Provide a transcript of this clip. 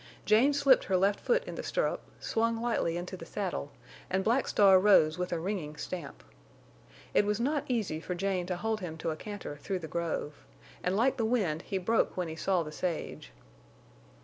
Jane slipped her left foot in the stirrup, swung lightly into the saddle, and Black Star rose with a ringing stamp. It was not easy for Jane to hold him to a canter through the grove, and like the wind he broke when he saw the sage.